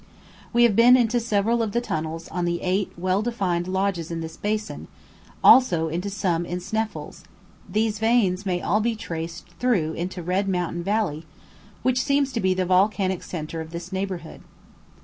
We have been into several of the tunnels on the eight well defined lodes in this basin, also into some in Sneffels; these veins may be all traced through into Red Mountain Valley, which seems to be the volcanic centre of this neighbourhood.